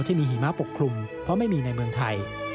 ที่มีหิมะปกคลุมเพราะไม่มีในเมืองไทย